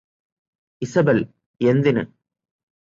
Isabel എന്തിന്